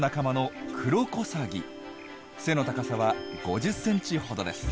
背の高さは５０センチほどです。